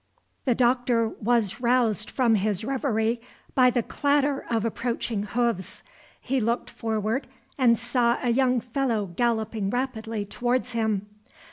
The Doctor was roused from his revery by the clatter of approaching hoofs. He looked forward and saw a young fellow galloping rapidly towards him.